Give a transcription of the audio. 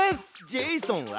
ジェイソンは？